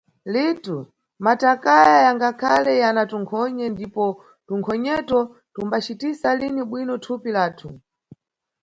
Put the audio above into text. Litu: matakaya yangakhale yana tunkhonye ndipo tunkhonyeto tumbacitisa lini bwino thupi lathu.